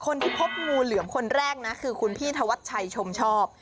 คนที่พบงูเหลือมคนแรกนะคือคุณพี่ธวัชชัยชมชอบ